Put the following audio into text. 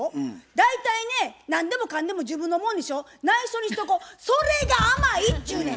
大体ね何でもかんでも自分のもんにしよ内緒にしとこそれが甘いっちゅうねん！